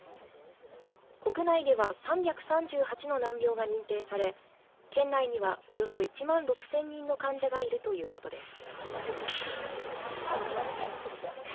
国内では３３８の難病が認定され県内にはおよそ１万６０００人の患者がいるということです。